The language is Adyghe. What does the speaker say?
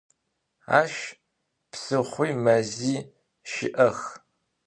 Aş psıxhui mezi şı'ex.